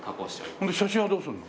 それで写真はどうするの？